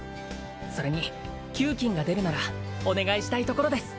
それに給金が出るならお願いしたいところです